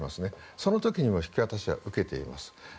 その時には引き渡しは受けています。